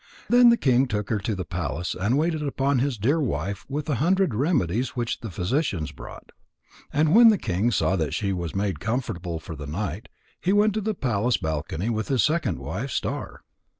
And the king took her to the palace and waited upon his dear wife with a hundred remedies which the physicians brought. And when the king saw that she was made comfortable for the night, he went to the palace balcony with his second wife Star.